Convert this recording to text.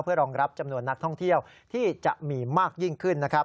รองรับจำนวนนักท่องเที่ยวที่จะมีมากยิ่งขึ้นนะครับ